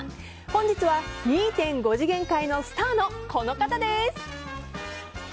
本日は２．５次元界のスターのこの方です。